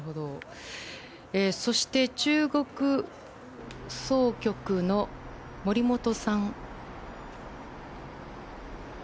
そして、中国総局の森本さん。